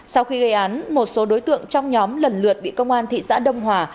sau khi gây án một số đối tượng trong nhóm lần lượt bị công an thị xã đông hòa